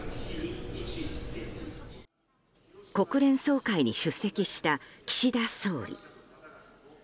国連総会に出席した岸田総理。